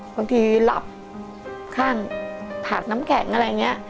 บางทีหลับข้างถากน้ำแข็งอะไรอย่างนี้